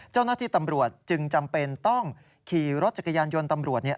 เจ้าหน้าที่ตำรวจจึงจำเป็นต้องขี่รถจักรยานยนต์ตำรวจเนี่ย